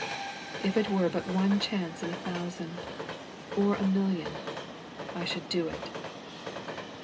If it were but one chance in a thousand or a million I should do it."